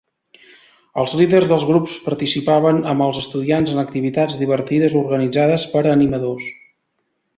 Els líders dels grups participen amb els estudiants en activitats divertides organitzades per animadors.